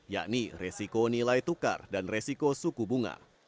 yakni resiko nilai tukar dan resiko suku bunga